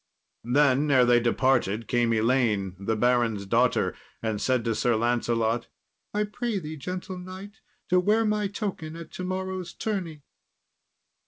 Then, ere they departed, came Elaine, the baron's daughter, and said to Sir Lancelot, "I pray thee, gentle knight, to wear my token at to morrow's tourney."